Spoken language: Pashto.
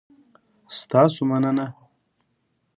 ستاسو مننه؟